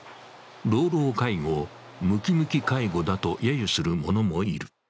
老老介護をムキムキ介護だと揶揄するものもいる。